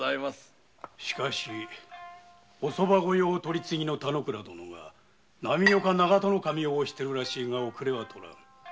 しかしお側御用取次の田之倉殿が波岡長門守を推しているらしいが遅れはとらぬ。